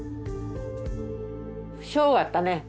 ショーがあったね